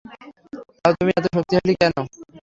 তাও তুমি এত শক্তিশালী কেন?